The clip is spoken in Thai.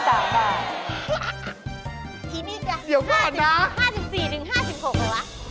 ทีนี้จะ๕๔หรือ๕๖บาทกันวะกินเดี๋ยวบอกนะ